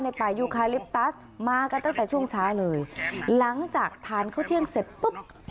ป่ายูคาลิปตัสมากันตั้งแต่ช่วงเช้าเลยหลังจากทานข้าวเที่ยงเสร็จปุ๊บ